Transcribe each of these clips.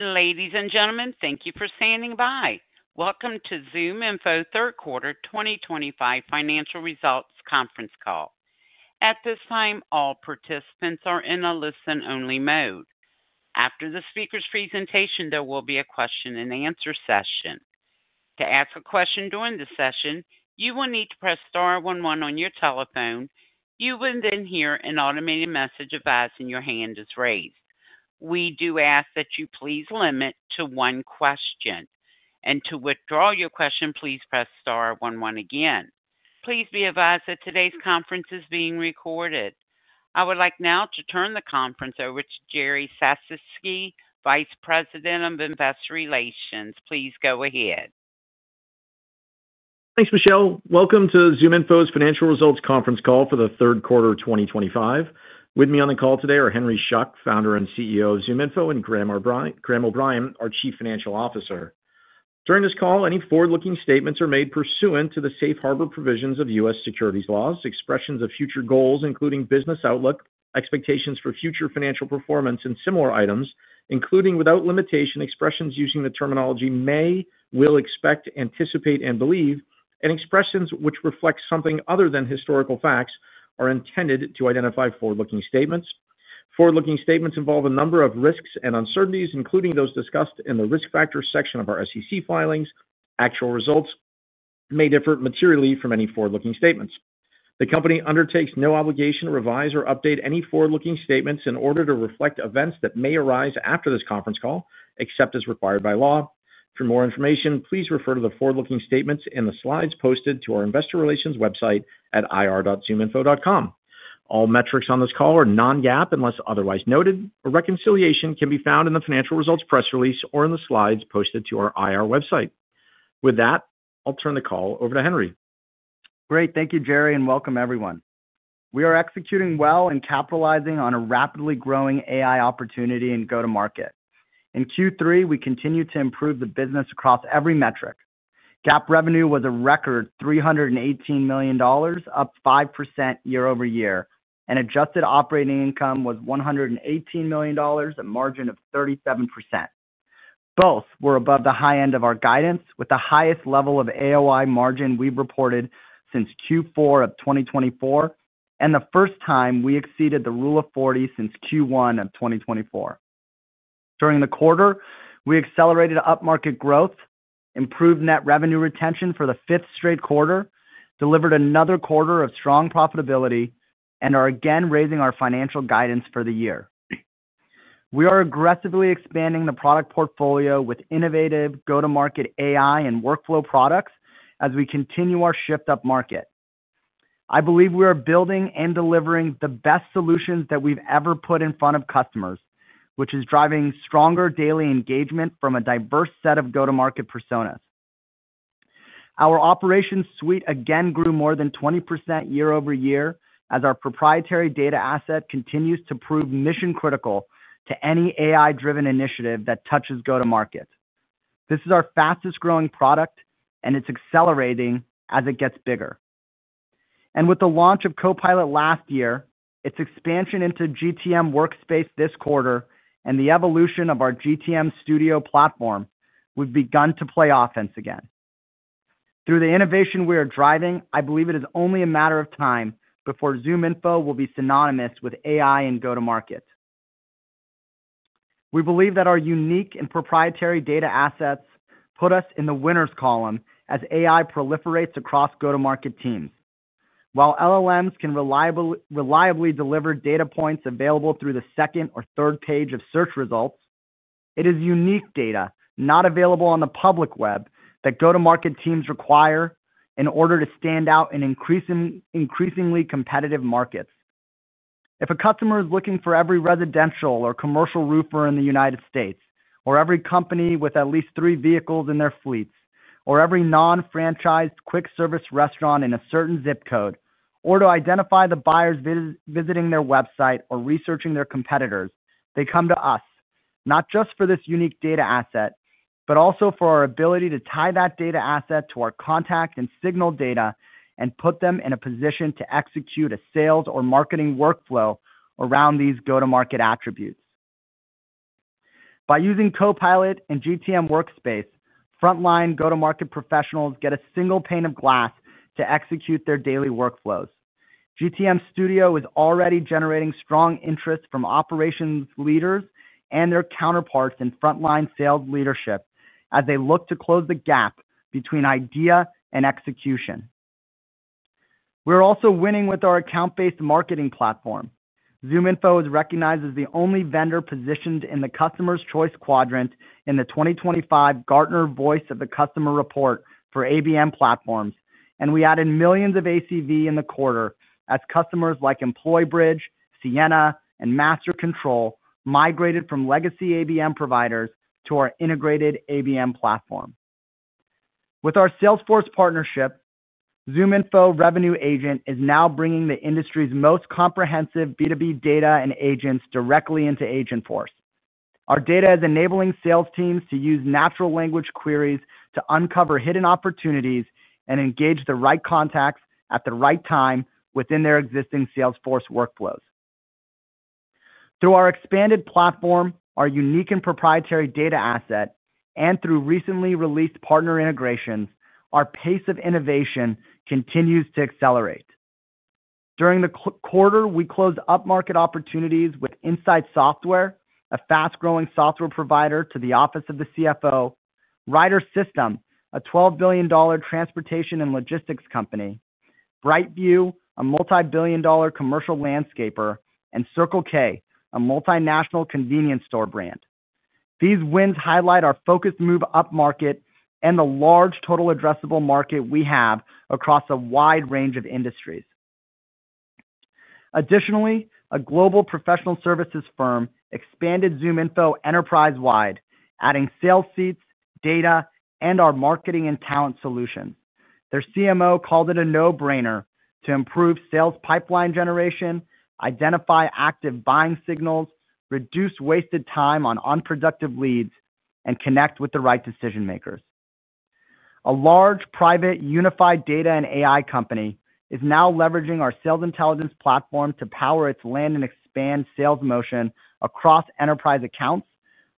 Ladies and gentlemen, thank you for standing by. Welcome to ZoomInfo Q3 2025 Financial Results Conference Call. At this time, all participants are in a listen-only mode. After the speaker's presentation, there will be a question-and-answer session. To ask a question during the session, you will need to press star one one on your telephone. You will then hear an automated message advising your hand is raised. We do ask that you please limit to one question. To withdraw your question, please press star one one again. Please be advised that today's conference is being recorded. I would like now to turn the conference over to Jerry Sisitsky, Vice President of Investor Relations. Please go ahead. Thanks, Michelle. Welcome to ZoomInfo's Financial Results Conference Call for Q3 2025. With me on the call today are Henry Schuck, Founder and CEO of ZoomInfo, and Graham O'Brien, our Chief Financial Officer. During this call, any forward-looking statements are made pursuant to the Safe Harbor provisions of U.S. securities laws, expressions of future goals, including business outlook, expectations for future financial performance, and similar items, including without limitation, expressions using the terminology may, will, expect, anticipate, and believe, and expressions which reflect something other than historical facts are intended to identify forward-looking statements. Forward-looking statements involve a number of risks and uncertainties, including those discussed in the risk factors section of our SEC filings. Actual results may differ materially from any forward-looking statements. The company undertakes no obligation to revise or update any forward-looking statements in order to reflect events that may arise after this conference call, except as required by law. For more information, please refer to the forward-looking statements in the slides posted to our Investor Relations website at ir.zoominfo.com. All metrics on this call are non-GAAP unless otherwise noted. A reconciliation can be found in the financial results press release or in the slides posted to our IR website. With that, I'll turn the call over to Henry. Great. Thank you, Jerry, and welcome, everyone. We are executing well and capitalizing on a rapidly growing AI opportunity and go-to-market. In Q3, we continue to improve the business across every metric. GAAP revenue was a record $318 million, up 5% year-over-year, and adjusted operating income was $118 million, a margin of 37%. Both were above the high end of our guidance, with the highest level of AOI margin we've reported since Q4 of 2024 and the first time we exceeded the rule of 40 since Q1 of 2024. During the quarter, we accelerated up-market growth, improved net revenue retention for the fifth straight quarter, delivered another quarter of strong profitability, and are again raising our financial guidance for the year. We are aggressively expanding the product portfolio with innovative go-to-market AI and workflow products as we continue our shift up-market. I believe we are building and delivering the best solutions that we've ever put in front of customers, which is driving stronger daily engagement from a diverse set of go-to-market personas. Our Operations Suite again grew more than 20% year-over-year as our proprietary data asset continues to prove mission-critical to any AI-driven initiative that touches go-to-market. This is our fastest-growing product, and it is accelerating as it gets bigger. With the launch of Copilot last year, its expansion into GTM Workspace this quarter, and the evolution of our GTM Studio platform, we have begun to play offense again. Through the innovation we are driving, I believe it is only a matter of time before ZoomInfo will be synonymous with AI and go-to-market. We believe that our unique and proprietary data assets put us in the winners column as AI proliferates across go-to-market teams. While LLMs can reliably deliver data points available through the second or third page of search results, it is unique data, not available on the public web, that go-to-market teams require in order to stand out in increasingly competitive markets. If a customer is looking for every residential or commercial roofer in the United States, or every company with at least three vehicles in their fleets, or every non-franchised quick-service restaurant in a certain zip code, or to identify the buyers visiting their website or researching their competitors, they come to us, not just for this unique data asset, but also for our ability to tie that data asset to our contact and signal data and put them in a position to execute a sales or marketing workflow around these go-to-market attributes. By using Copilot and GTM Workspace, frontline go-to-market professionals get a single pane of glass to execute their daily workflows. GTM Studio is already generating strong interest from operations leaders and their counterparts in frontline sales leadership as they look to close the gap between idea and execution. We are also winning with our account-based marketing platform. ZoomInfo is recognized as the only vendor positioned in the customer's choice quadrant in the 2025 Gartner Voice of the Customer report for ABM platforms, and we added millions of ACV in the quarter as customers like EmployBridge, Sienna, and MasterControl migrated from legacy ABM providers to our integrated ABM platform. With our Salesforce partnership, ZoomInfo Revenue Agent is now bringing the industry's most comprehensive B2B data and agents directly into AgentForce. Our data is enabling sales teams to use natural language queries to uncover hidden opportunities and engage the right contacts at the right time within their existing Salesforce workflows. Through our expanded platform, our unique and proprietary data asset, and through recently released partner integrations, our pace of innovation continues to accelerate. During the quarter, we closed up-market opportunities with insightsoftware, a fast-growing software provider to the Office of the CFO, Ryder System, a $12 billion transportation and logistics company, BrightView, a multi-billion dollar commercial landscaper, and Circle K, a multinational convenience store brand. These wins highlight our focused move up-market and the large total addressable market we have across a wide range of industries. Additionally, a global professional services firm expanded ZoomInfo enterprise-wide, adding sales seats, data, and our marketing and talent solutions. Their CMO called it a no-brainer to improve sales pipeline generation, identify active buying signals, reduce wasted time on unproductive leads, and connect with the right decision-makers. A large private unified data and AI company is now leveraging our sales intelligence platform to power its land and expand sales motion across enterprise accounts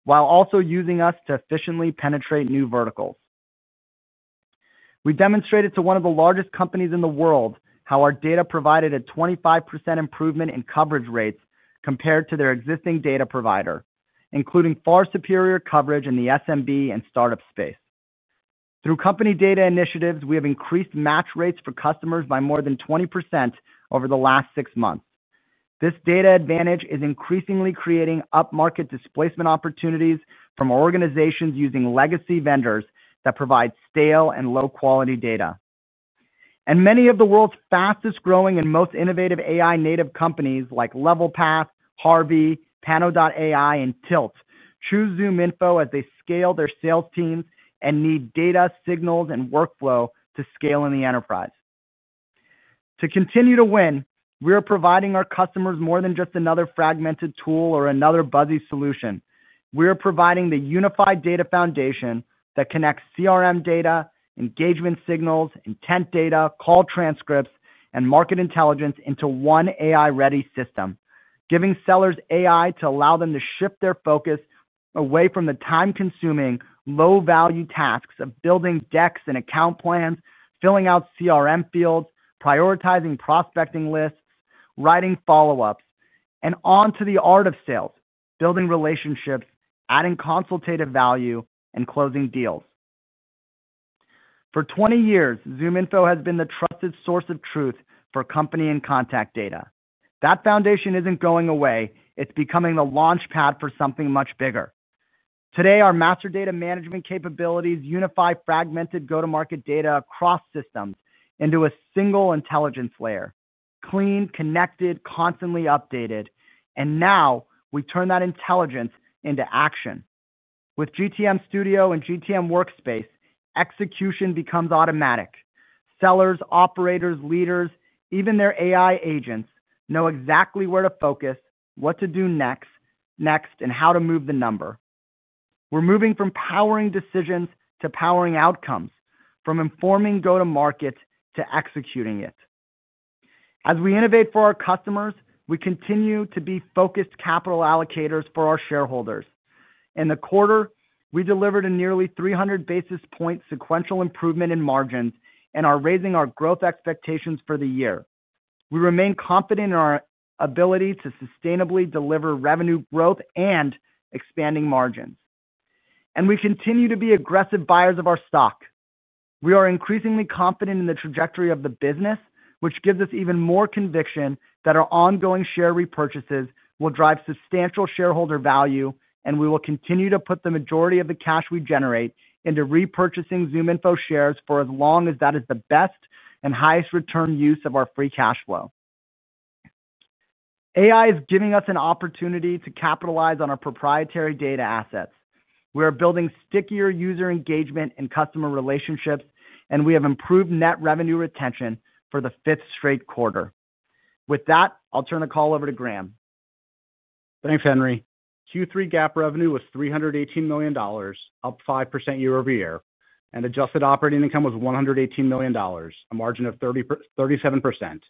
while also using us to efficiently penetrate new verticals. We demonstrated to one of the largest companies in the world how our data provided a 25% improvement in coverage rates compared to their existing data provider, including far superior coverage in the SMB and startup space. Through company data initiatives, we have increased match rates for customers by more than 20% over the last six months. This data advantage is increasingly creating up-market displacement opportunities from organizations using legacy vendors that provide stale and low-quality data. Many of the world's fastest-growing and most innovative AI-native companies like Levelpath, Harvey, Pano.ai, and Tilts choose ZoomInfo as they scale their sales teams and need data, signals, and workflow to scale in the enterprise. To continue to win, we are providing our customers more than just another fragmented tool or another buzzy solution. We are providing the unified data foundation that connects CRM data, engagement signals, intent data, call transcripts, and market intelligence into one AI-ready system, giving sellers AI to allow them to shift their focus away from the time-consuming, low-value tasks of building decks and account plans, filling out CRM fields, prioritizing prospecting lists, writing follow-ups, and onto the art of sales, building relationships, adding consultative value, and closing deals. For 20 years, ZoomInfo has been the trusted source of truth for company and contact data. That foundation isn't going away. It's becoming the launchpad for something much bigger. Today, our master data management capabilities unify fragmented go-to-market data across systems into a single intelligence layer: clean, connected, constantly updated. Now we turn that intelligence into action. With GTM Studio and GTM Workspace, execution becomes automatic. Sellers, operators, leaders, even their AI agents know exactly where to focus, what to do next, and how to move the number. We're moving from powering decisions to powering outcomes, from informing go-to-market to executing it. As we innovate for our customers, we continue to be focused capital allocators for our shareholders. In the quarter, we delivered a nearly 300 basis points sequential improvement in margins and are raising our growth expectations for the year. We remain confident in our ability to sustainably deliver revenue growth and expanding margins. We continue to be aggressive buyers of our stock. We are increasingly confident in the trajectory of the business, which gives us even more conviction that our ongoing share repurchases will drive substantial shareholder value, and we will continue to put the majority of the cash we generate into repurchasing ZoomInfo shares for as long as that is the best and highest return use of our free cash flow. AI is giving us an opportunity to capitalize on our proprietary data assets. We are building stickier user engagement and customer relationships, and we have improved net revenue retention for the fifth straight quarter. With that, I'll turn the call over to Graham. Thanks, Henry. Q3 GAAP revenue was $318 million, up 5% year-over-year, and adjusted operating income was $118 million, a margin of 37%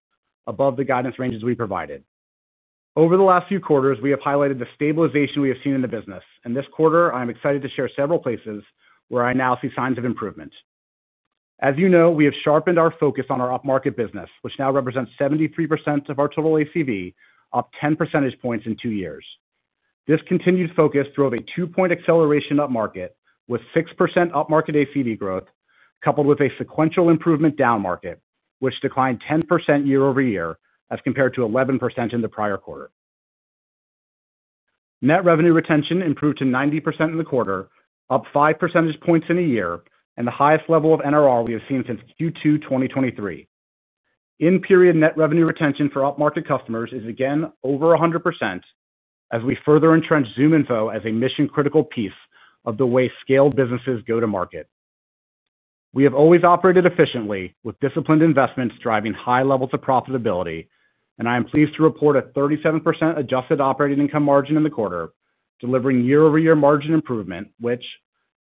above the guidance ranges we provided. Over the last few quarters, we have highlighted the stabilization we have seen in the business. In this quarter, I'm excited to share several places where I now see signs of improvement. As you know, we have sharpened our focus on our up-market business, which now represents 73% of our total ACV, up 10 percentage points in two years. This continued focus drove a two-point acceleration up-market with 6% up-market ACV growth, coupled with a sequential improvement down-market, which declined 10% year-over-year as compared to 11% in the prior quarter. Net revenue retention improved to 90% in the quarter, up 5 percentage points in a year, and the highest level of NRR we have seen since Q2 2023. In-period net revenue retention for up-market customers is again over 100% as we further entrench ZoomInfo as a mission-critical piece of the way scaled businesses go to market. We have always operated efficiently with disciplined investments driving high levels of profitability, and I am pleased to report a 37% adjusted operating income margin in the quarter, delivering year-over-year margin improvement, which,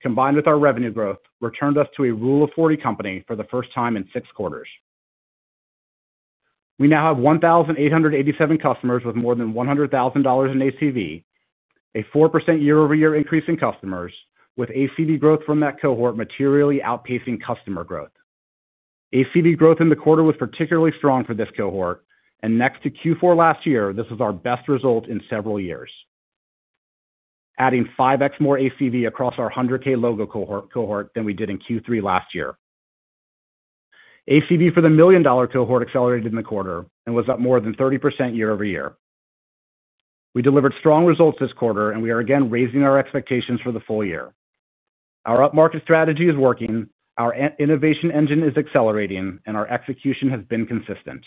combined with our revenue growth, returned us to a rule of 40 company for the first time in six quarters. We now have 1,887 customers with more than $100,000 in ACV, a 4% year-over-year increase in customers, with ACV growth from that cohort materially outpacing customer growth. ACV growth in the quarter was particularly strong for this cohort, and next to Q4 last year, this was our best result in several years. Adding 5X more ACV across our 100K logo cohort than we did in Q3 last year. ACV for the million-dollar cohort accelerated in the quarter and was up more than 30% year-over-year. We delivered strong results this quarter, and we are again raising our expectations for the full year. Our up-market strategy is working, our innovation engine is accelerating, and our execution has been consistent.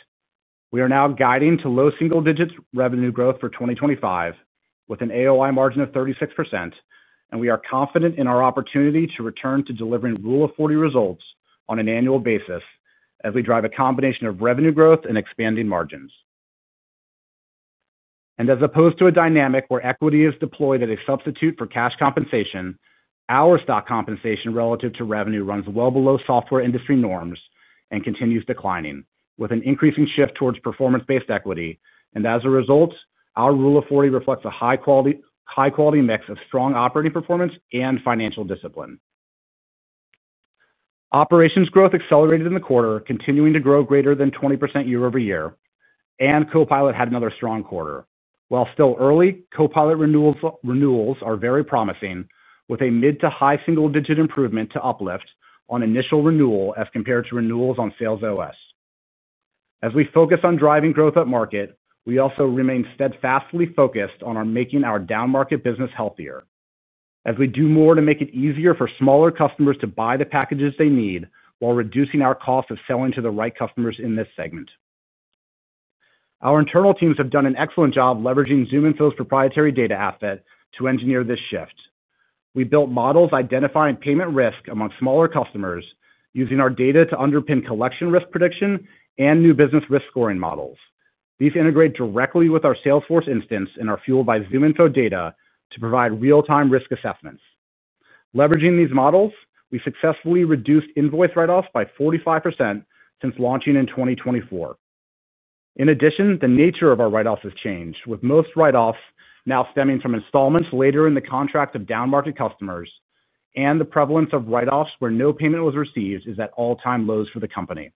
We are now guiding to low single-digit revenue growth for 2025 with an AOI margin of 36%, and we are confident in our opportunity to return to delivering rule of 40 results on an annual basis as we drive a combination of revenue growth and expanding margins. As opposed to a dynamic where equity is deployed as a substitute for cash compensation, our stock compensation relative to revenue runs well below software industry norms and continues declining, with an increasing shift towards performance-based equity. As a result, our rule of 40 reflects a high-quality mix of strong operating performance and financial discipline. Operations growth accelerated in the quarter, continuing to grow greater than 20% year-over-year, and Copilot had another strong quarter. While still early, Copilot renewals are very promising, with a mid to high single-digit improvement to uplift on initial renewal as compared to renewals on Sales OS. As we focus on driving growth up-market, we also remain steadfastly focused on making our down-market business healthier, as we do more to make it easier for smaller customers to buy the packages they need while reducing our cost of selling to the right customers in this segment. Our internal teams have done an excellent job leveraging ZoomInfo's proprietary data asset to engineer this shift. We built models identifying payment risk among smaller customers using our data to underpin collection risk prediction and new business risk scoring models. These integrate directly with our Salesforce instance and are fueled by ZoomInfo data to provide real-time risk assessments. Leveraging these models, we successfully reduced invoice write-offs by 45% since launching in 2024. In addition, the nature of our write-offs has changed, with most write-offs now stemming from installments later in the contract of down-market customers, and the prevalence of write-offs where no payment was received is at all-time lows for the company.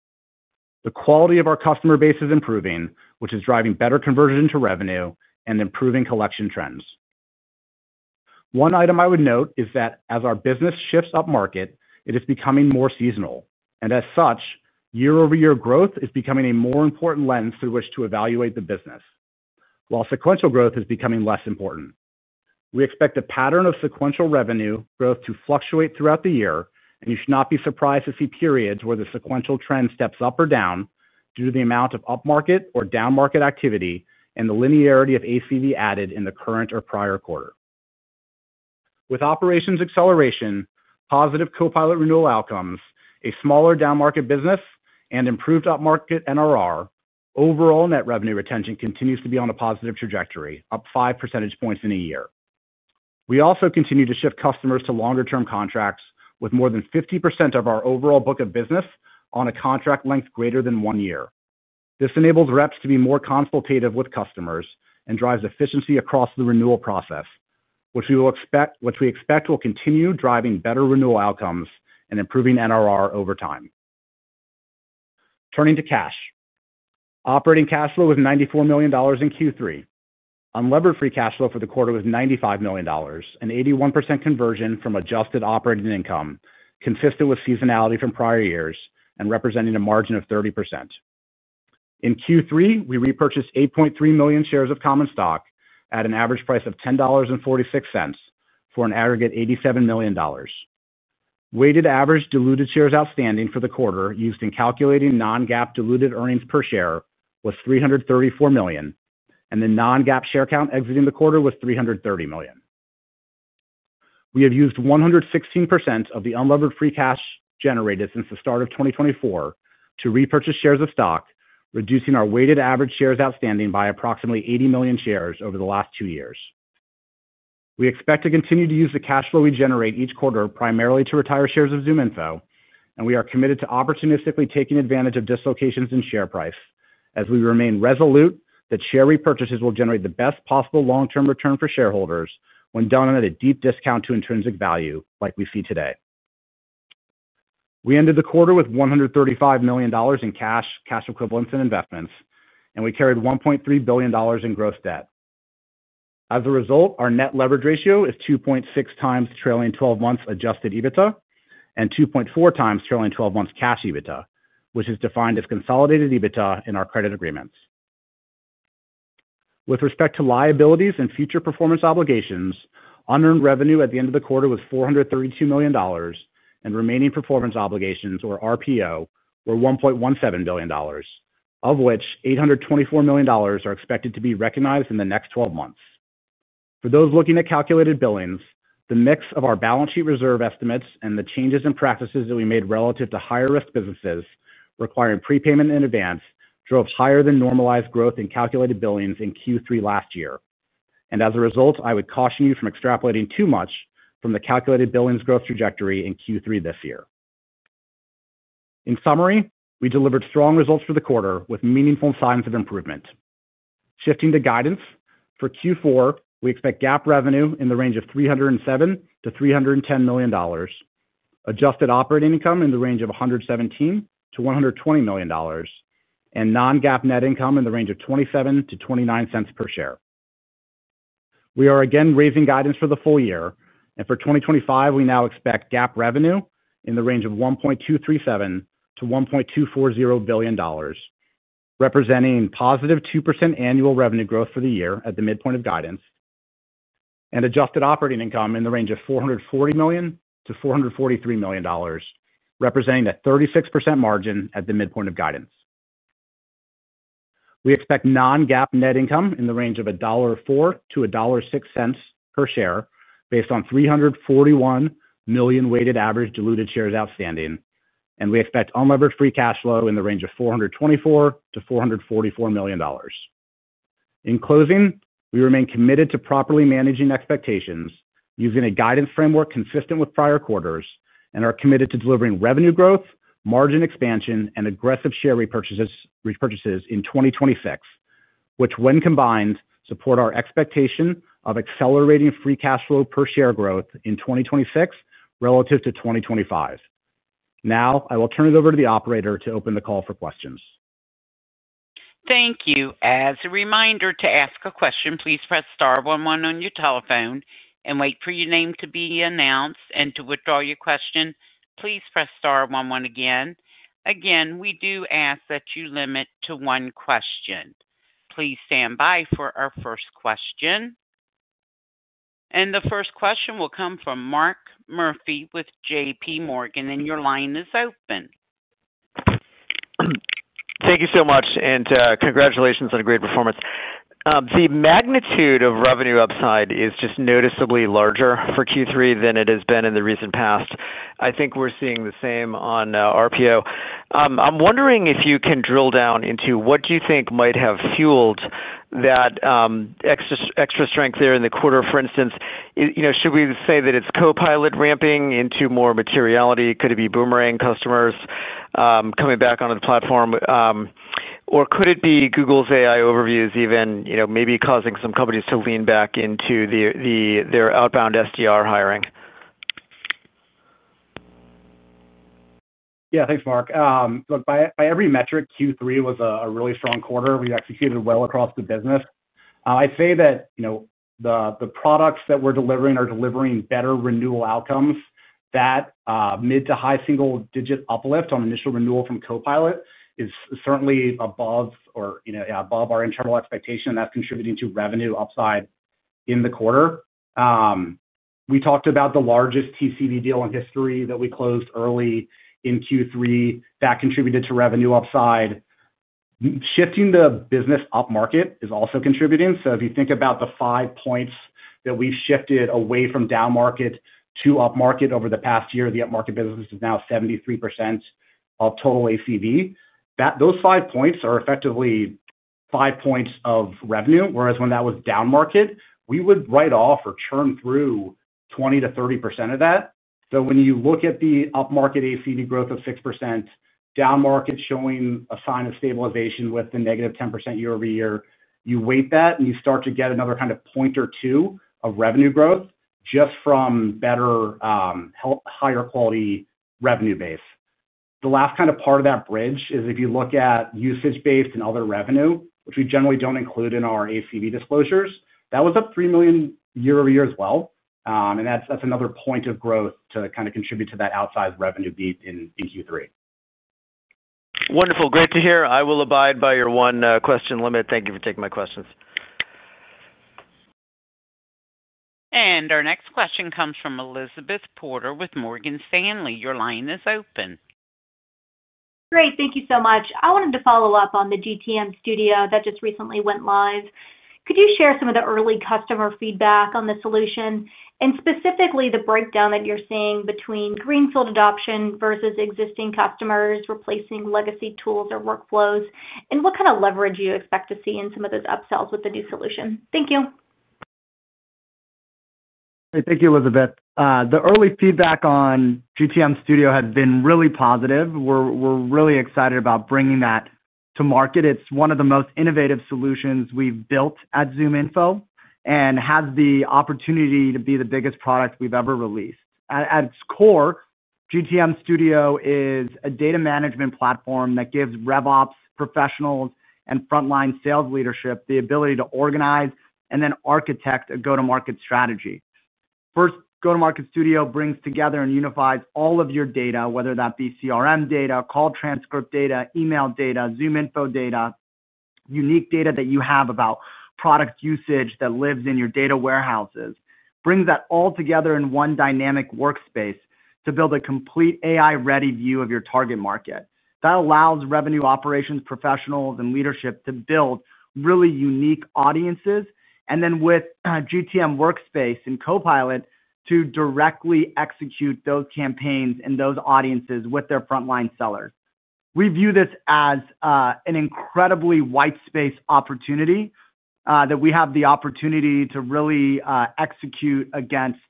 The quality of our customer base is improving, which is driving better conversion to revenue and improving collection trends. One item I would note is that as our business shifts up-market, it is becoming more seasonal, and as such, year-over-year growth is becoming a more important lens through which to evaluate the business. While sequential growth is becoming less important. We expect a pattern of sequential revenue growth to fluctuate throughout the year, and you should not be surprised to see periods where the sequential trend steps up or down due to the amount of up-market or down-market activity and the linearity of ACV added in the current or prior quarter. With operations acceleration, positive Copilot renewal outcomes, a smaller down-market business, and improved up-market NRR, overall net revenue retention continues to be on a positive trajectory, up 5 percentage points in a year. We also continue to shift customers to longer-term contracts with more than 50% of our overall book of business on a contract length greater than one year. This enables reps to be more consultative with customers and drives efficiency across the renewal process, which we expect will continue driving better renewal outcomes and improving NRR over time. Turning to cash. Operating cash flow was $94 million in Q3. Unlevered free cash flow for the quarter was $95 million, an 81% conversion from adjusted operating income, consistent with seasonality from prior years and representing a margin of 30%. In Q3, we repurchased 8.3 million shares of common stock at an average price of $10.46 for an aggregate $87 million. Weighted average diluted shares outstanding for the quarter used in calculating non-GAAP diluted earnings per share was 334 million, and the non-GAAP share count exiting the quarter was 330 million. We have used 116% of the unlevered free cash generated since the start of 2024 to repurchase shares of stock, reducing our weighted average shares outstanding by approximately 80 million shares over the last two years. We expect to continue to use the cash flow we generate each quarter primarily to retire shares of ZoomInfo, and we are committed to opportunistically taking advantage of dislocations in share price as we remain resolute that share repurchases will generate the best possible long-term return for shareholders when done at a deep discount to intrinsic value like we see today. We ended the quarter with $135 million in cash, cash equivalents, and investments, and we carried $1.3 billion in gross debt. As a result, our net leverage ratio is 2.6 times trailing 12 months adjusted EBITDA and 2.4 times trailing 12 months cash EBITDA, which is defined as consolidated EBITDA in our credit agreements. With respect to liabilities and future performance obligations, unearned revenue at the end of the quarter was $432 million, and remaining performance obligations, or RPO, were $1.17 billion, of which $824 million are expected to be recognized in the next 12 months. For those looking at calculated billings, the mix of our balance sheet reserve estimates and the changes in practices that we made relative to higher-risk businesses requiring prepayment in advance drove higher than normalized growth in calculated billings in Q3 last year. As a result, I would caution you from extrapolating too much from the calculated billings growth trajectory in Q3 this year. In summary, we delivered strong results for the quarter with meaningful signs of improvement. Shifting to guidance, for Q4, we expect GAAP revenue in the range of $307 million-$310 million, adjusted operating income in the range of $117 million-$120 million, and non-GAAP net income in the range of $0.27-$0.29 per share. We are again raising guidance for the full year, and for 2025, we now expect GAAP revenue in the range of $1.237 billion-$1.240 billion, representing positive 2% annual revenue growth for the year at the midpoint of guidance, and adjusted operating income in the range of $440 million-$443 million, representing a 36% margin at the midpoint of guidance. We expect non-GAAP net income in the range of $1.04-$1.06 per share based on $341 million weighted average diluted shares outstanding, and we expect unlevered free cash flow in the range of $424 million-$444 million. In closing, we remain committed to properly managing expectations using a guidance framework consistent with prior quarters and are committed to delivering revenue growth, margin expansion, and aggressive share repurchases in 2026, which when combined support our expectation of accelerating free cash flow per share growth in 2026 relative to 2025. Now, I will turn it over to the operator to open the call for questions. Thank you. As a reminder to ask a question, please press star one one on your telephone and wait for your name to be announced. To withdraw your question, please press star one one again. Again, we do ask that you limit to one question. Please stand by for our first question. The first question will come from Mark Murphy with JPMorgan, and your line is open. Thank you so much, and congratulations on a great performance. The magnitude of revenue upside is just noticeably larger for Q3 than it has been in the recent past. I think we're seeing the same on RPO. I'm wondering if you can drill down into what do you think might have fueled that. Extra strength there in the quarter. For instance, should we say that it's Copilot ramping into more materiality? Could it be Boomerang customers coming back onto the platform? Or could it be Google's AI overviews even maybe causing some companies to lean back into their outbound Sdr hiring? Yeah, thanks, Mark. Look, by every metric, Q3 was a really strong quarter. We executed well across the business. I'd say that. The products that we're delivering are delivering better renewal outcomes. That mid to high single-digit uplift on initial renewal from Copilot is certainly above our internal expectation, and that's contributing to revenue upside in the quarter. We talked about the largest TCV deal in history that we closed early in Q3. That contributed to revenue upside. Shifting the business up-market is also contributing. If you think about the five points that we've shifted away from down-market to up-market over the past year, the up-market business is now 73% of total ACV. Those five points are effectively five points of revenue, whereas when that was down-market, we would write off or churn through 20%-30% of that. When you look at the up-market ACV growth of 6%, down-market showing a sign of stabilization with the negative 10% year-over-year, you weight that and you start to get another kind of point or two of revenue growth just from better, higher quality revenue base. The last kind of part of that bridge is if you look at usage-based and other revenue, which we generally don't include in our ACV disclosures, that was up $3 million year-over-year as well. That's another point of growth to kind of contribute to that outsized revenue beat in Q3. Wonderful. Great to hear. I will abide by your one question limit. Thank you for taking my questions. Our next question comes from Elizabeth Porter with Morgan Stanley. Your line is open. Great. Thank you so much. I wanted to follow up on the GTM Studio that just recently went live. Could you share some of the early customer feedback on the solution and specifically the breakdown that you're seeing between greenfield adoption versus existing customers replacing legacy tools or workflows? What kind of leverage do you expect to see in some of those upsells with the new solution? Thank you. Thank you, Elizabeth. The early feedback on GTM Studio has been really positive. We're really excited about bringing that to market. It's one of the most innovative solutions we've built at ZoomInfo and has the opportunity to be the biggest product we've ever released. At its core, GTM Studio is a data management platform that gives RevOps professionals and frontline sales leadership the ability to organize and then architect a go-to-market strategy. First, GTM Studio brings together and unifies all of your data, whether that be CRM data, call transcript data, email data, ZoomInfo data, unique data that you have about product usage that lives in your data warehouses, brings that all together in one dynamic workspace to build a complete AI-ready view of your target market. That allows revenue operations professionals and leadership to build really unique audiences, and then with GTM Workspace and Copilot to directly execute those campaigns and those audiences with their frontline sellers. We view this as an incredibly white space opportunity that we have the opportunity to really execute against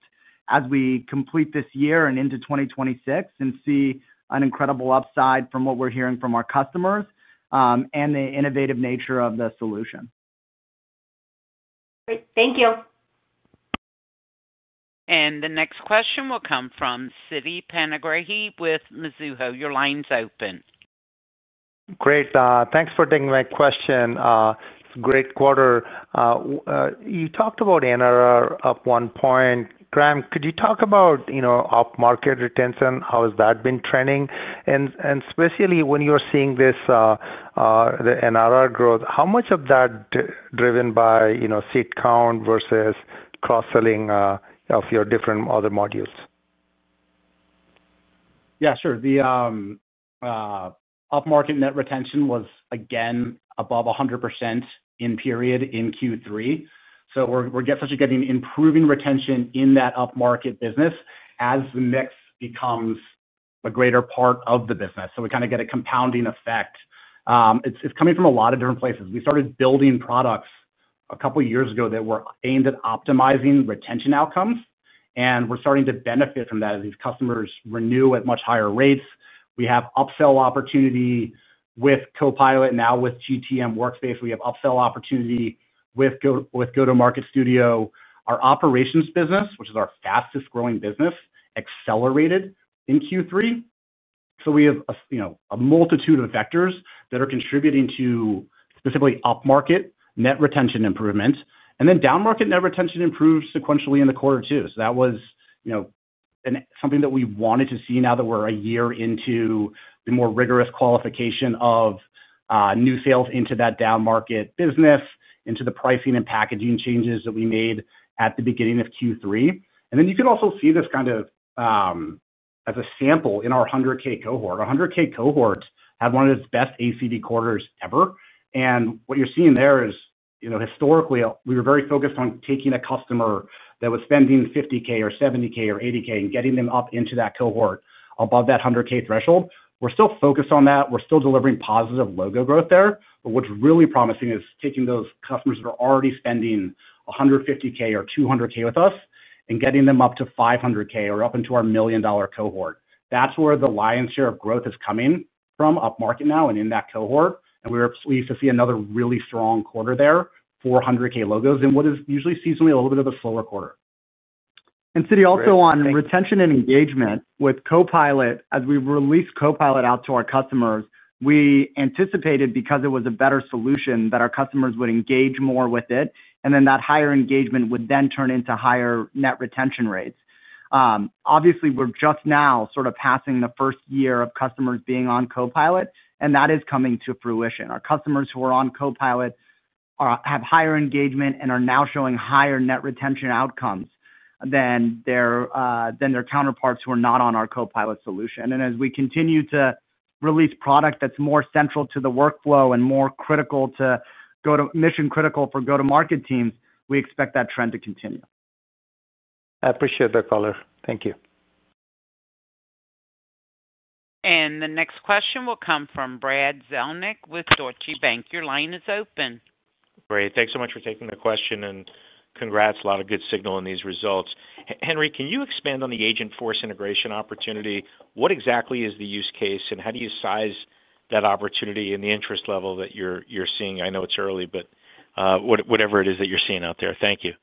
as we complete this year and into 2026 and see an incredible upside from what we're hearing from our customers and the innovative nature of the solution. Great. Thank you. The next question will come from Siti Panigrahi with Mizuho. Your line's open. Great. Thanks for taking my question. It's a great quarter. You talked about NRR at one point. Graham, could you talk about up-market retention? How has that been trending? Especially when you're seeing this NRR growth, how much of that is driven by seat count versus cross-selling of your different other modules? Yeah, sure. The up-market net retention was, again, above 100% in period in Q3. We are essentially getting improving retention in that up-market business as the mix becomes a greater part of the business. We kind of get a compounding effect. It is coming from a lot of different places. We started building products a couple of years ago that were aimed at optimizing retention outcomes, and we are starting to benefit from that as these customers renew at much higher rates. We have upsell opportunity with Copilot. Now with GTM Workspace, we have upsell opportunity with GTM Studio. Our operations business, which is our fastest-growing business, accelerated in Q3. We have a multitude of vectors that are contributing to specifically up-market net retention improvement, and then down-market net retention improved sequentially in the quarter too. That was something that we wanted to see now that we are a year into the more rigorous qualification of new sales into that down-market business, into the pricing and packaging changes that we made at the beginning of Q3. You can also see this as a sample in our 100K cohort. Our 100K cohort had one of its best ACV quarters ever. What you are seeing there is historically we were very focused on taking a customer that was spending $50,000 or $70,000 or $80,000 and getting them up into that cohort above that $100,000 threshold. We are still focused on that. We are still delivering positive logo growth there. What is really promising is taking those customers that are already spending $150,000 or $200,000 with us and getting them up to $500,000 or up into our million-dollar cohort. That is where the lion's share of growth is coming from up-market now and in that cohort. We are pleased to see another really strong quarter there, 400K logos in what is usually seasonally a little bit of a slower quarter. Siti, also on retention and engagement with Copilot, as we released Copilot out to our customers, we anticipated because it was a better solution that our customers would engage more with it, and then that higher engagement would then turn into higher net retention rates. Obviously, we are just now sort of passing the first year of customers being on Copilot, and that is coming to fruition. Our customers who are on Copilot have higher engagement and are now showing higher net retention outcomes than their counterparts who are not on our Copilot solution. As we continue to release product that is more central to the workflow and more critical to mission-critical for go-to-market teams, we expect that trend to continue. I appreciate that, color. Thank you. The next question will come from Brad Zelnick with Deutsche Bank. Your line is open. Great. Thanks so much for taking the question, and congrats. A lot of good signal in these results. Henry, can you expand on the AgentForce integration opportunity? What exactly is the use case, and how do you size that opportunity and the interest level that you're seeing? I know it's early, but whatever it is that you're seeing out there. Thank you.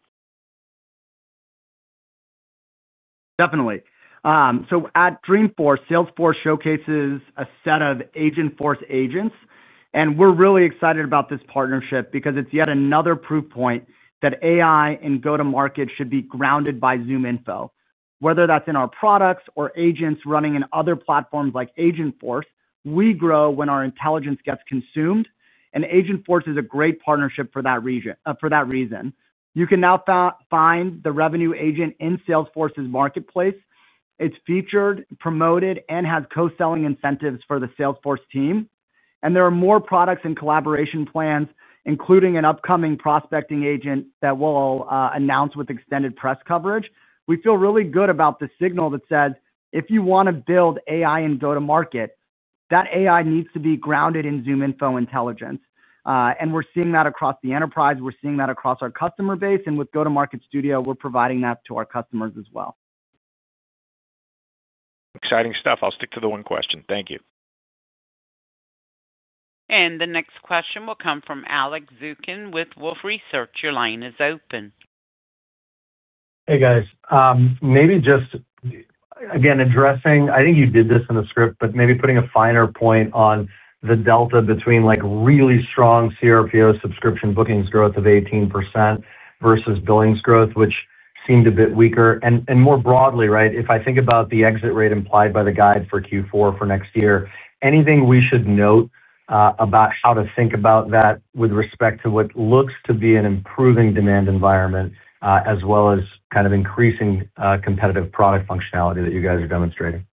Definitely. At Dreamforce, Salesforce showcases a set of AgentForce agents, and we're really excited about this partnership because it's yet another proof point that AI and go-to-market should be grounded by ZoomInfo. Whether that's in our products or agents running in other platforms like AgentForce, we grow when our intelligence gets consumed, and AgentForce is a great partnership for that reason. You can now find the Revenue Agent in Salesforce's marketplace. It's featured, promoted, and has co-selling incentives for the Salesforce team. There are more products and collaboration plans, including an upcoming prospecting agent that we'll announce with extended press coverage. We feel really good about the signal that says, "If you want to build AI in go-to-market, that AI needs to be grounded in ZoomInfo intelligence." We're seeing that across the enterprise. We're seeing that across our customer base. With go-to-market Studio, we're providing that to our customers as well. Exciting stuff. I'll stick to the one question. Thank you. The next question will come from Alex Zukin with Wolfe Research. Your line is open. Hey, guys. Maybe just. Again addressing—I think you did this in the script—but maybe putting a finer point on the delta between really strong CRPO subscription bookings growth of 18% versus billings growth, which seemed a bit weaker. More broadly, right, if I think about the exit rate implied by the guide for Q4 for next year, anything we should note about how to think about that with respect to what looks to be an improving demand environment as well as kind of increasing competitive product functionality that you guys are demonstrating?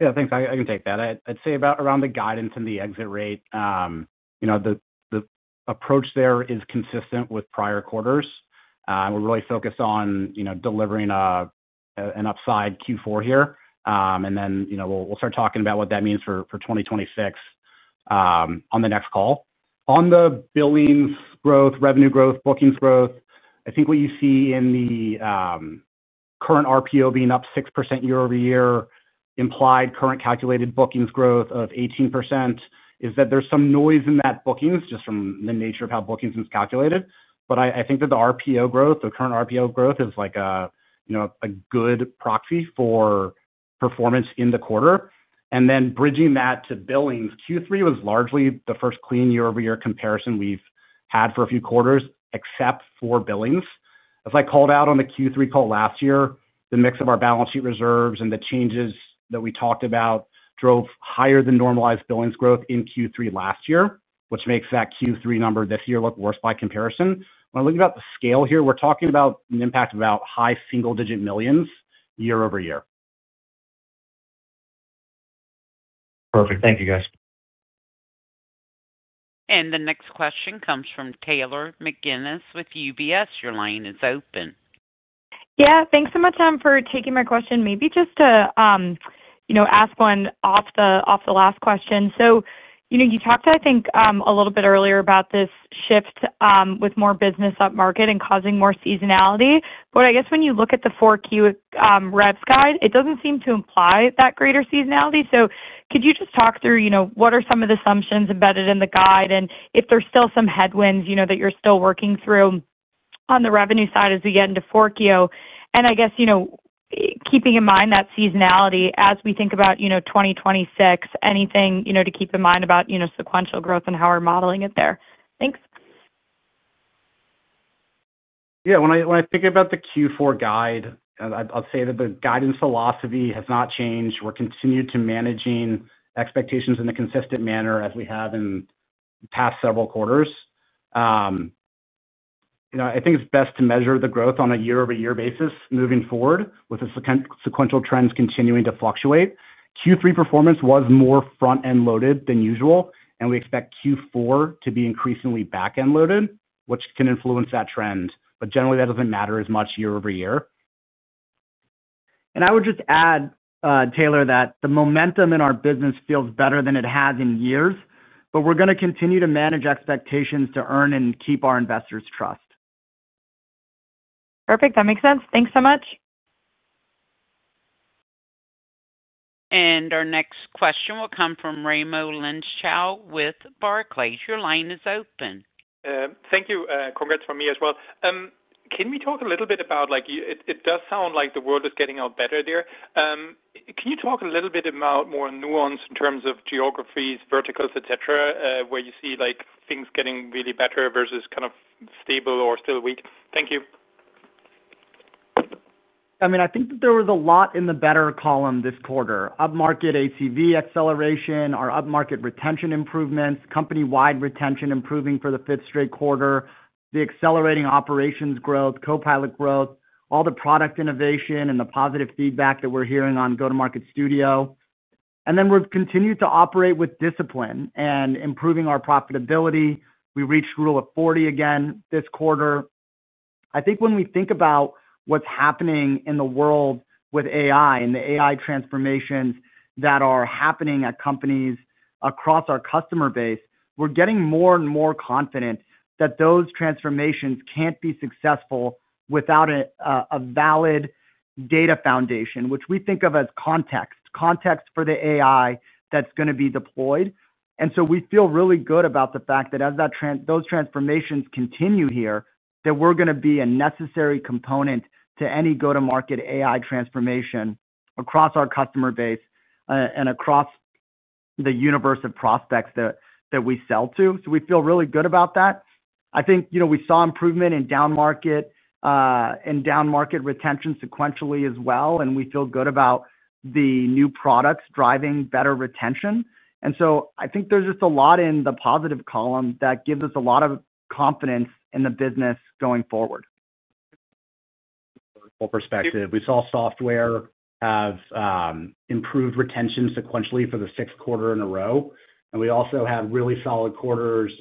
Yeah, thanks. I can take that. I'd say around the guidance and the exit rate. The approach there is consistent with prior quarters. We're really focused on delivering an upside Q4 here. Then we'll start talking about what that means for 2026 on the next call. On the billings growth, revenue growth, bookings growth, I think what you see in the current RPO being up 6% year-over-year, implied current calculated bookings growth of 18% is that there's some noise in that bookings just from the nature of how bookings is calculated. I think that the current RPO growth is like a good proxy for performance in the quarter. Bridging that to billings, Q3 was largely the first clean year-over-year comparison we've had for a few quarters except for billings. As I called out on the Q3 call last year, the mix of our balance sheet reserves and the changes that we talked about drove higher than normalized billings growth in Q3 last year, which makes that Q3 number this year look worse by comparison. When I look at the scale here, we're talking about an impact of about high single-digit millions year-over-year. Perfect. Thank you, guys. The next question comes from Taylor McGinnis with UBS. Your line is open. Yeah. Thanks so much for taking my question. Maybe just to ask one off the last question. You talked, I think, a little bit earlier about this shift with more business up-market and causing more seasonality. I guess when you look at the Q4 reps guide, it doesn't seem to imply that greater seasonality. Could you just talk through what are some of the assumptions embedded in the guide and if there's still some headwinds that you're still working through on the revenue side as we get into Q4? I guess, keeping in mind that seasonality as we think about 2026, anything to keep in mind about sequential growth and how we're modeling it there? Thanks. Yeah. When I think about the Q4 guide, I'll say that the guidance philosophy has not changed. We're continued to manage expectations in a consistent manner as we have in past several quarters. I think it's best to measure the growth on a year-over-year basis moving forward with the sequential trends continuing to fluctuate. Q3 performance was more front-end loaded than usual, and we expect Q4 to be increasingly back-end loaded, which can influence that trend. Generally, that doesn't matter as much year-over-year. I would just add, Taylor, that the momentum in our business feels better than it has in years, but we're going to continue to manage expectations to earn and keep our investors' trust. Perfect. That makes sense. Thanks so much. Our next question will come from Raimo Lenschow with Barclays. Your line is open. Thank you. Congrats from me as well. Can we talk a little bit about—it does sound like the world is getting out better there—can you talk a little bit about more nuance in terms of geographies, verticals, etc., where you see things getting really better versus kind of stable or still weak? Thank you. I mean, I think that there was a lot in the better column this quarter: up-market ACV acceleration, our up-market retention improvements, company-wide retention improving for the fifth straight quarter, the accelerating operations growth, Copilot growth, all the product innovation, and the positive feedback that we're hearing on go-to-market Studio. Then we've continued to operate with discipline and improving our profitability. We reached rule of 40 again this quarter. I think when we think about what's happening in the world with AI and the AI transformations that are happening at companies across our customer base, we're getting more and more confident that those transformations can't be successful without a valid data foundation, which we think of as context, context for the AI that's going to be deployed. We feel really good about the fact that as those transformations continue here, we're going to be a necessary component to any go-to-market AI transformation across our customer base and across the universe of prospects that we sell to. We feel really good about that. I think we saw improvement in down-market retention sequentially as well, and we feel good about the new products driving better retention. I think there's just a lot in the positive column that gives us a lot of confidence in the business going forward. Perspective. We saw software have improved retention sequentially for the sixth quarter in a row. We also have really solid quarters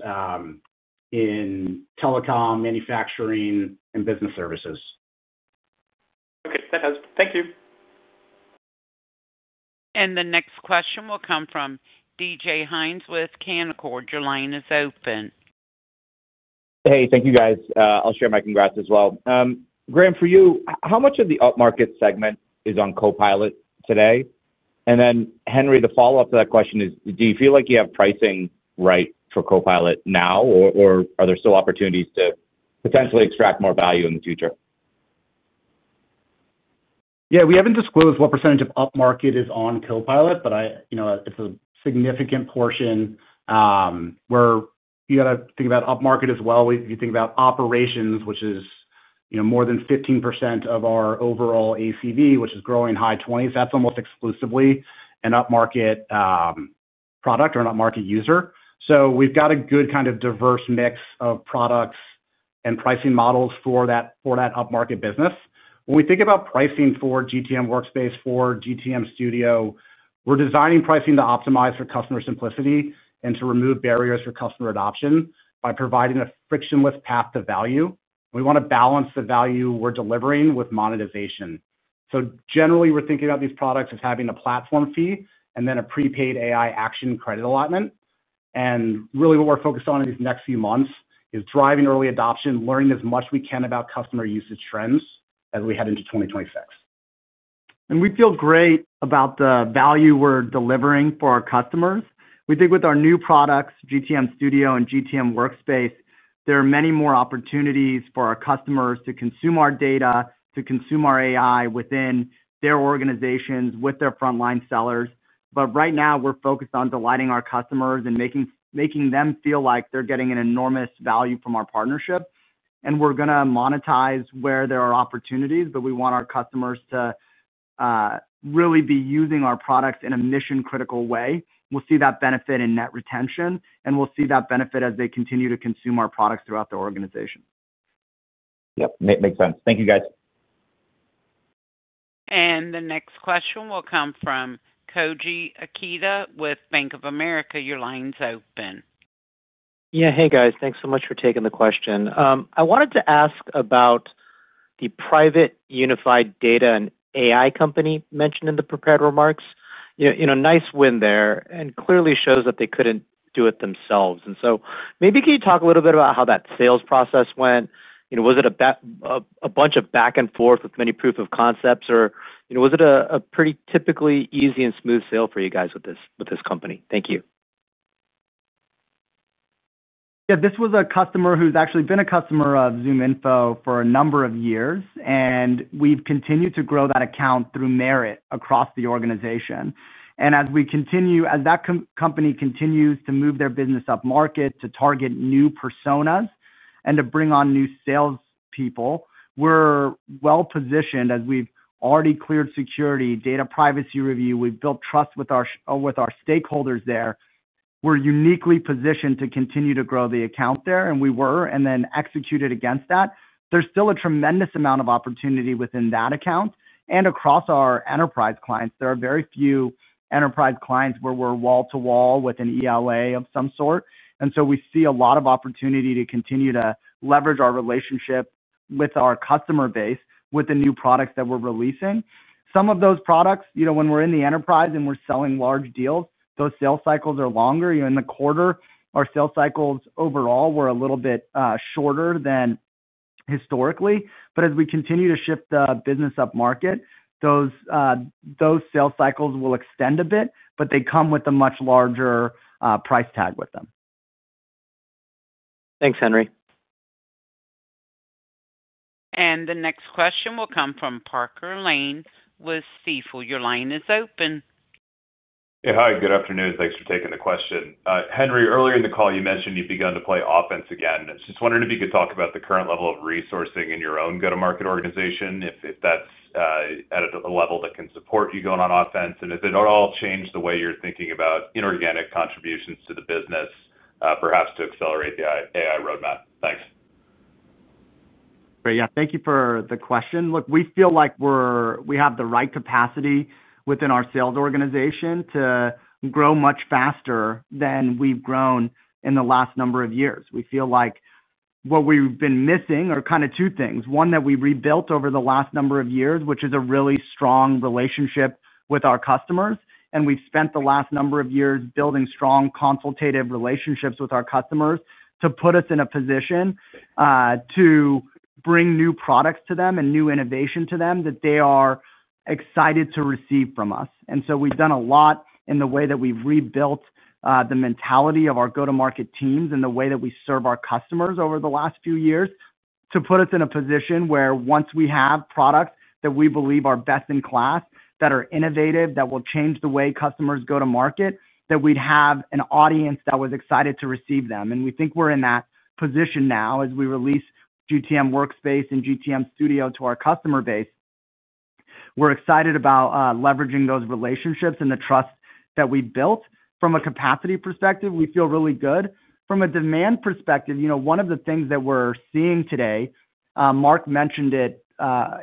in telecom, manufacturing, and business services. Okay. That helps. Thank you. The next question will come from DJ hynes with Canaccord. Your line is open. Hey, thank you, guys. I'll share my congrats as well. Graham, for you, how much of the up-market segment is on Copilot today? Henry, the follow-up to that question is, do you feel like you have pricing right for Copilot now, or are there still opportunities to potentially extract more value in the future? Yeah. We haven't disclosed what percentage of up-market is on Copilot, but it's a significant portion. You got to think about up-market as well. If you think about operations, which is more than 15% of our overall ACV, which is growing high 20s, that's almost exclusively an up-market product or an up-market user. We have a good kind of diverse mix of products and pricing models for that up-market business. When we think about pricing for GTM Workspace, for GTM Studio, we're designing pricing to optimize for customer simplicity and to remove barriers for customer adoption by providing a frictionless path to value. We want to balance the value we're delivering with monetization. Generally, we're thinking about these products as having a platform fee and then a prepaid AI action credit allotment. Really, what we're focused on in these next few months is driving early adoption, learning as much as we can about customer usage trends as we head into 2026. We feel great about the value we're delivering for our customers. We think with our new products, GTM Studio and GTM Workspace, there are many more opportunities for our customers to consume our data, to consume our AI within their organizations, with their frontline sellers. Right now, we're focused on delighting our customers and making them feel like they're getting an enormous value from our partnership. We're going to monetize where there are opportunities, but we want our customers to really be using our products in a mission-critical way. We'll see that benefit in net retention, and we'll see that benefit as they continue to consume our products throughout the organization. Yep. Makes sense. Thank you, guys. The next question will come from Koji Ikeda with Bank of America. Your line's open. Yeah. Hey, guys. Thanks so much for taking the question. I wanted to ask about the private unified data and AI company mentioned in the prepared remarks. Nice win there and clearly shows that they could not do it themselves. Maybe can you talk a little bit about how that sales process went? Was it a bunch of back and forth with many proof of concepts, or was it a pretty typically easy and smooth sale for you guys with this company? Thank you. Yeah. This was a customer who has actually been a customer of ZoomInfo for a number of years, and we have continued to grow that account through merit across the organization. As we continue, as that company continues to move their business up-market, to target new personas, and to bring on new salespeople, we are well-positioned as we have already cleared security, data privacy review. We have built trust with our stakeholders there. We are uniquely positioned to continue to grow the account there, and we were, and then executed against that. There is still a tremendous amount of opportunity within that account. Across our enterprise clients, there are very few enterprise clients where we are wall-to-wall with an ELA of some sort. We see a lot of opportunity to continue to leverage our relationship with our customer base with the new products that we are releasing. Some of those products, when we are in the enterprise and we are selling large deals, those sales cycles are longer. In the quarter, our sales cycles overall were a little bit shorter than historically. As we continue to shift the business up-market, those sales cycles will extend a bit, but they come with a much larger price tag with them. Thanks, Henry. The next question will come from Parker Lane with Stifel. Your line is open. Hey, hi. Good afternoon. Thanks for taking the question. Henry, earlier in the call, you mentioned you've begun to play offense again. I was just wondering if you could talk about the current level of resourcing in your own go-to-market organization, if that's at a level that can support you going on offense, and if it at all changed the way you're thinking about inorganic contributions to the business. Perhaps to accelerate the AI roadmap. Thanks. Great. Yeah. Thank you for the question. Look, we feel like we have the right capacity within our sales organization to grow much faster than we've grown in the last number of years. We feel like what we've been missing are kind of two things. One that we rebuilt over the last number of years, which is a really strong relationship with our customers. And we've spent the last number of years building strong consultative relationships with our customers to put us in a position to bring new products to them and new innovation to them that they are excited to receive from us. And so we've done a lot in the way that we've rebuilt the mentality of our go-to-market teams and the way that we serve our customers over the last few years to put us in a position where once we have products that we believe are best in class, that are innovative, that will change the way customers go to market, that we'd have an audience that was excited to receive them. We think we're in that position now as we release GTM Workspace and GTM Studio to our customer base. We're excited about leveraging those relationships and the trust that we've built. From a capacity perspective, we feel really good. From a demand perspective, one of the things that we're seeing today, Mark mentioned it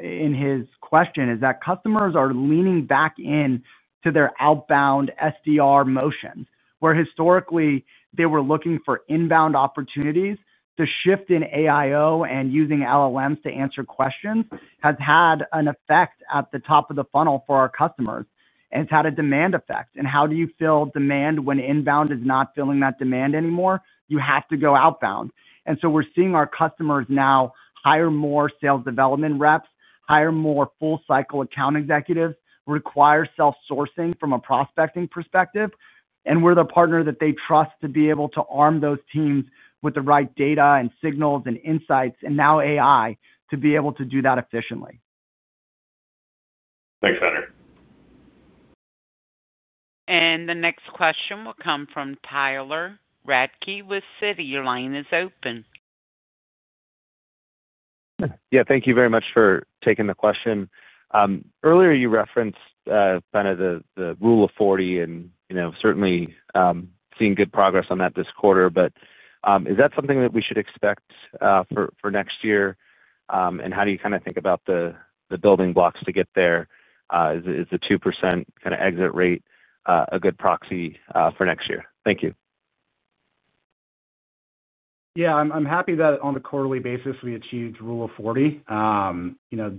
in his question, is that customers are leaning back into their outbound Sdr motions, where historically they were looking for inbound opportunities. The shift in AIO and using LLMs to answer questions has had an effect at the top of the funnel for our customers and has had a demand effect. How do you fill demand when inbound is not filling that demand anymore? You have to go outbound. We're seeing our customers now hire more sales development reps, hire more full-cycle account executives, require self-sourcing from a prospecting perspective. We're the partner that they trust to be able to arm those teams with the right data and signals and insights, and now AI, to be able to do that efficiently. Thanks, Henry. The next question will come from Tyler Radke with Citi. Your line is open. Yeah. Thank you very much for taking the question. Earlier, you referenced kind of the rule of 40 and certainly seeing good progress on that this quarter. Is that something that we should expect for next year? How do you kind of think about the building blocks to get there? Is the 2% kind of exit rate a good proxy for next year? Thank you. Yeah. I'm happy that on a quarterly basis, we achieved rule of 40.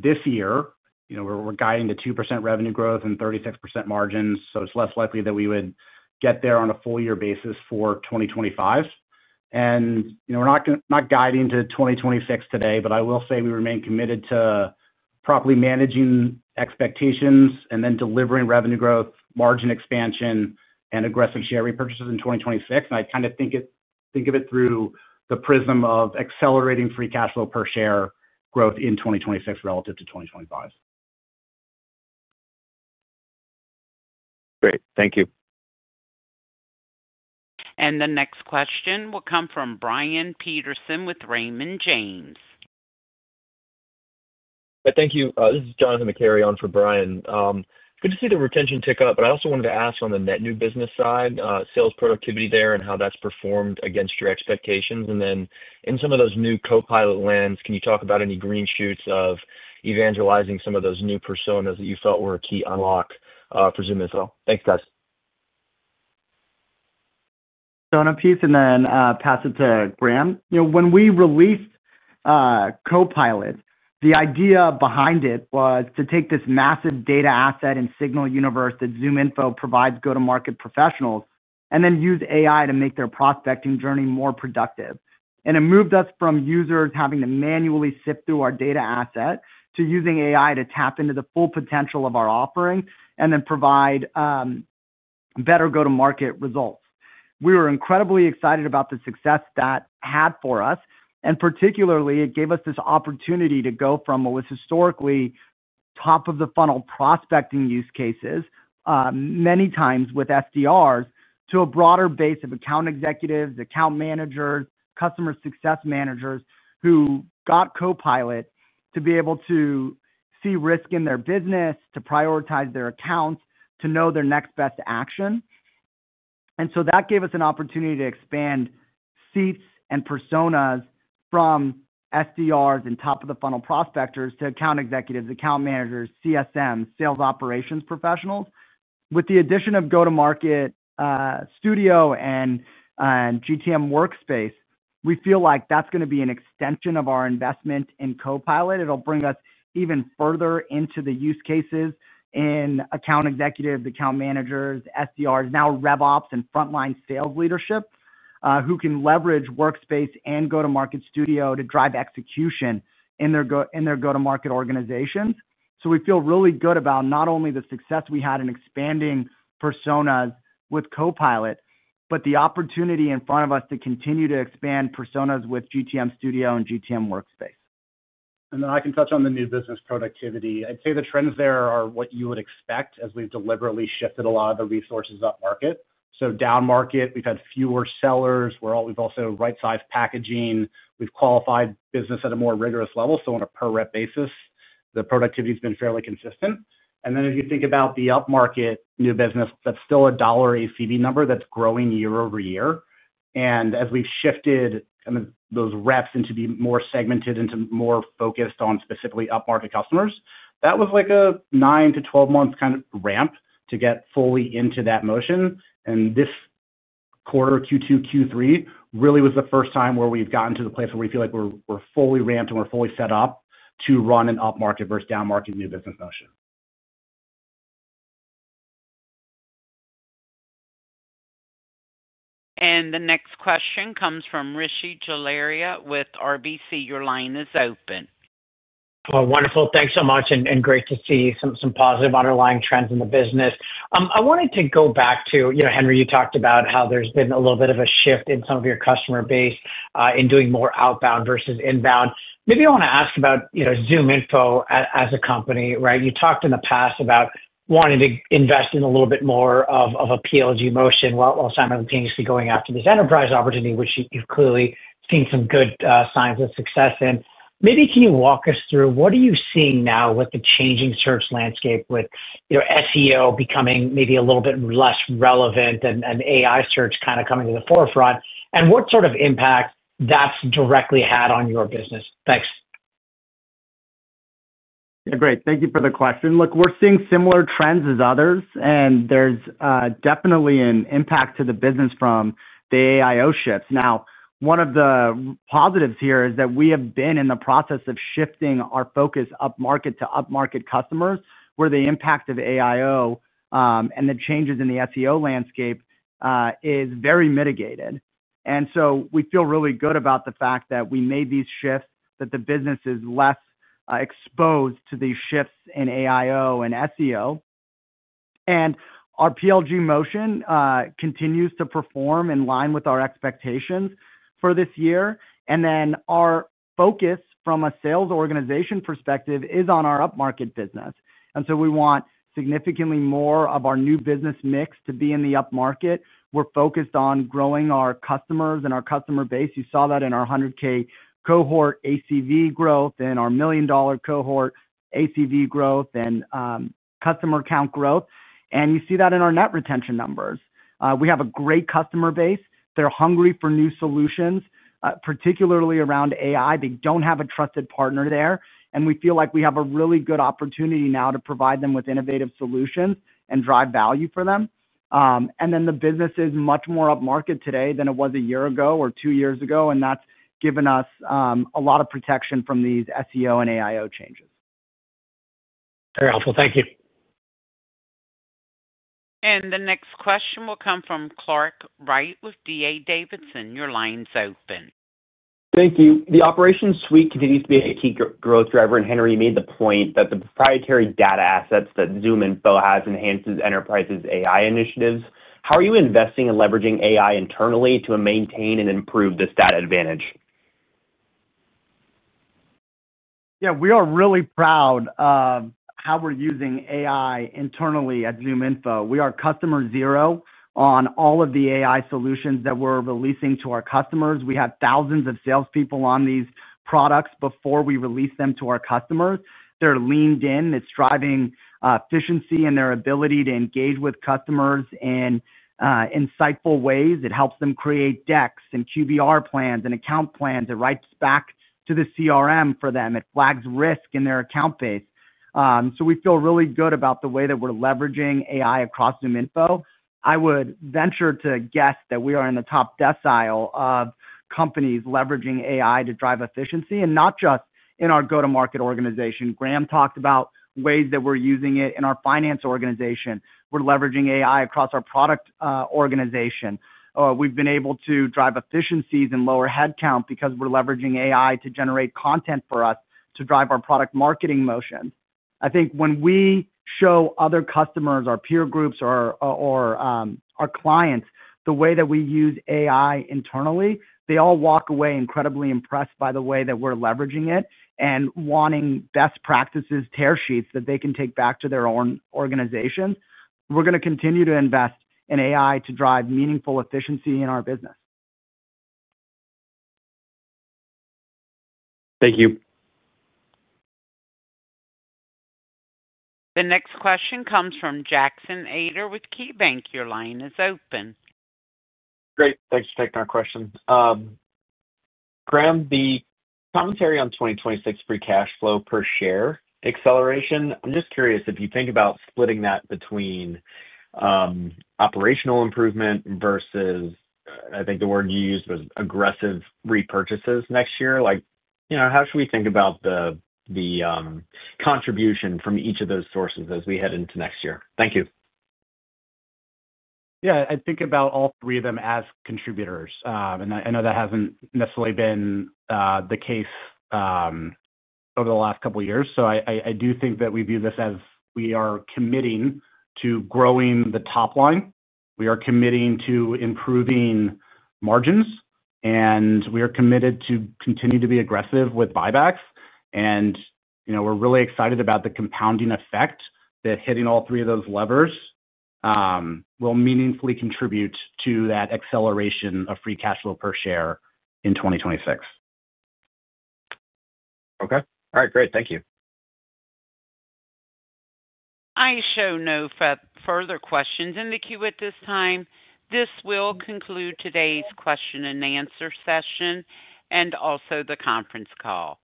This year, we're guiding to 2% revenue growth and 36% margins, so it's less likely that we would get there on a full-year basis for 2025. We're not guiding to 2026 today, but I will say we remain committed to properly managing expectations and then delivering revenue growth, margin expansion, and aggressive share repurchases in 2026. I kind of think of it through the prism of accelerating free cash flow per share growth in 2026 relative to 2025. Great. Thank you. The next question will come from Brian Peterson with Raymond James. Thank you. This is [Jon McHerion] for Brian. Good to see the retention tick up, but I also wanted to ask on the net new business side, sales productivity there and how that's performed against your expectations. In some of those new Copilot lands, can you talk about any green shoots of evangelizing some of those new personas that you felt were a key unlock for ZoomInfo? Thanks, guys. Jon, and then pass it to Graham. When we released Copilot, the idea behind it was to take this massive data asset and signal universe that ZoomInfo provides go-to-market professionals and then use AI to make their prospecting journey more productive. It moved us from users having to manually sift through our data asset to using AI to tap into the full potential of our offering and then provide better go-to-market results. We were incredibly excited about the success that had for us. Particularly, it gave us this opportunity to go from what was historically top-of-the-funnel prospecting use cases, many times with Sdrs, to a broader base of account executives, account managers, customer success managers who got Copilot to be able to see risk in their business, to prioritize their accounts, to know their next best action. That gave us an opportunity to expand seats and personas from Sdrs and top-of-the-funnel prospectors to account executives, account managers, CSMs, sales operations professionals. With the addition of go-to-market Studio and GTM Workspace, we feel like that's going to be an extension of our investment in Copilot. It'll bring us even further into the use cases in account executives, account managers, Sdrs, now RevOps and frontline sales leadership who can leverage Workspace and go-to-market Studio to drive execution in their go-to-market organizations. We feel really good about not only the success we had in expanding personas with Copilot, but the opportunity in front of us to continue to expand personas with GTM Studio and GTM Workspace. I can touch on the new business productivity. I'd say the trends there are what you would expect as we've deliberately shifted a lot of the resources up-market. Down-market, we've had fewer sellers. We've also right-sized packaging. We've qualified business at a more rigorous level. On a per-rep basis, the productivity has been fairly consistent. If you think about the up-market new business, that's still a dollar ACV number that's growing year-over-year. As we've shifted those reps into being more segmented, into more focused on specifically up-market customers, that was like a 9-12 month kind of ramp to get fully into that motion. This quarter, Q2, Q3, really was the first time where we've gotten to the place where we feel like we're fully ramped and we're fully set up to run an up-market versus down-market new business motion. The next question comes from Rishi Jaluria with RBC. Your line is open. Wonderful. Thanks so much. Great to see some positive underlying trends in the business. I wanted to go back to, Henry, you talked about how there's been a little bit of a shift in some of your customer base in doing more outbound versus inbound. Maybe I want to ask about ZoomInfo as a company, right? You talked in the past about wanting to invest in a little bit more of a PLG motion while simultaneously going after this enterprise opportunity, which you've clearly seen some good signs of success in. Maybe can you walk us through what are you seeing now with the changing search landscape, with SEO becoming maybe a little bit less relevant and AI search kind of coming to the forefront, and what sort of impact that's directly had on your business? Thanks. Yeah. Great. Thank you for the question. Look, we're seeing similar trends as others, and there's definitely an impact to the business from the AI shifts. Now, one of the positives here is that we have been in the process of shifting our focus up-market to up-market customers, where the impact of AI and the changes in the SEO landscape is very mitigated. We feel really good about the fact that we made these shifts, that the business is less exposed to these shifts in AI and SEO. Our PLG motion continues to perform in line with our expectations for this year. Our focus from a sales organization perspective is on our up-market business. We want significantly more of our new business mix to be in the up-market. We're focused on growing our customers and our customer base. You saw that in our 100K cohort ACV growth and our $1 million cohort ACV growth and customer count growth. You see that in our net retention numbers. We have a great customer base. They're hungry for new solutions, particularly around AI. They don't have a trusted partner there. We feel like we have a really good opportunity now to provide them with innovative solutions and drive value for them. The business is much more up-market today than it was a year ago or two years ago, and that's given us a lot of protection from these SEO and AIO changes. Very helpful. Thank you. The next question will come from Clark Wright with D.A. Davidson. Your line's open. Thank you. The Operations Suite continues to be a key growth driver. Henry, you made the point that the proprietary data assets that ZoomInfo has enhance enterprises' AI initiatives. How are you investing and leveraging AI internally to maintain and improve this data advantage? Yeah. We are really proud of how we're using AI internally at ZoomInfo. We are customer zero on all of the AI solutions that we're releasing to our customers. We have thousands of salespeople on these products before we release them to our customers. They're leaned in. It's driving efficiency in their ability to engage with customers in insightful ways. It helps them create decks and QBR plans and account plans. It writes back to the CRM for them. It flags risk in their account base. We feel really good about the way that we're leveraging AI across ZoomInfo. I would venture to guess that we are in the top decile of companies leveraging AI to drive efficiency, and not just in our go-to-market organization. Graham talked about ways that we're using it in our finance organization. We're leveraging AI across our product organization. We've been able to drive efficiencies and lower headcount because we're leveraging AI to generate content for us to drive our product marketing motions. I think when we show other customers, our peer groups, or our clients the way that we use AI internally, they all walk away incredibly impressed by the way that we're leveraging it and wanting best practices tear sheets that they can take back to their own organizations. We're going to continue to invest in AI to drive meaningful efficiency in our business. Thank you. The next question comes from Jackson Ader with KeyBanc. Your line is open. Great. Thanks for taking our questions. Graham, the commentary on 2026 free cash flow per share acceleration, I'm just curious if you think about splitting that between operational improvement versus, I think the word you used was aggressive repurchases next year. How should we think about the contribution from each of those sources as we head into next year? Thank you. Yeah. I think about all three of them as contributors. I know that hasn't necessarily been the case over the last couple of years. I do think that we view this as we are committing to growing the top line. We are committing to improving margins, and we are committed to continue to be aggressive with buybacks. We are really excited about the compounding effect that hitting all three of those levers will meaningfully contribute to that acceleration of free cash flow per share in 2026. Okay. All right. Great. Thank you. I show no further questions in the queue at this time. This will conclude today's question and answer session and also the conference call.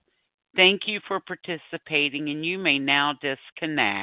Thank you for participating, and you may now disconnect.